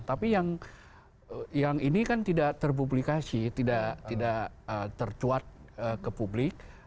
tapi yang ini kan tidak terpublikasi tidak tercuat ke publik